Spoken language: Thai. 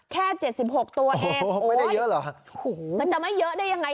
แค่เจ็ดสิบหกตัวเองโอ้โหไม่ได้เยอะเหรอโอ้โหมันจะไม่เยอะได้ยังไง